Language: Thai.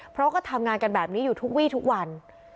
เพราะก็ทำงานกันแบบนี้อยู่ทุกวีทุกวัน